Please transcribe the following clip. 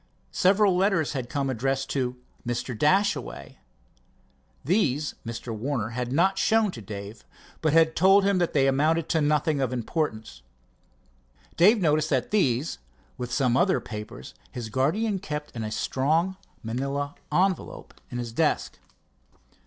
Several letters had come addressed to Mr. Dashaway. These Mr. Warner had not shown to Dave, but had told him that they amounted to nothing of importance. Dave had noticed that these, with some other papers, his guardian kept in a strong manilla envelope in his desk.